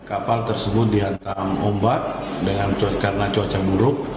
kapal tersebut dihantam ombak karena cuaca buruk